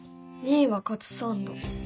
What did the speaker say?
２位はカツサンド。